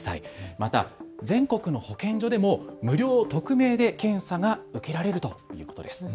また全国の保健所でも無料、匿名で検査が受けられるということです。